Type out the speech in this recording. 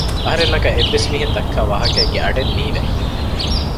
އަހަރެންނަކަށް އެއްވެސް މީހެއް ދައްކާވާހަކައެއްގެ އަޑެއް ނީވެ